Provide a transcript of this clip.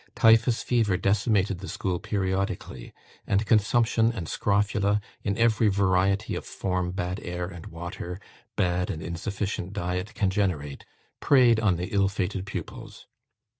Typhus fever decimated the school periodically; and consumption and scrofula, in every variety of form bad air and water, bad and insufficient diet can generate, preyed on the ill fated pupils.